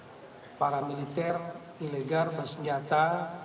dan juga para militer ilegal bersenjata